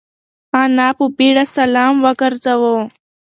انا په بيړه سلام وگرځاوه.